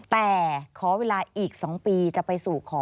แต่ขอเวลาอีก๒ปีจะไปสู่ขอ